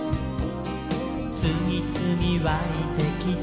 「つぎつぎわいてきて」